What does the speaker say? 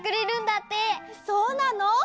そうなの？